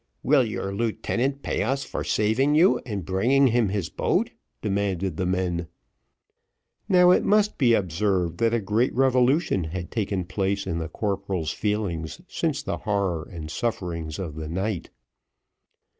"Will your lieutenant pay us for saving you and bringing him his boat?" demanded the men. Now, it must be observed, that a great revolution had taken place in the corporal's feelings since the horror and sufferings of the night.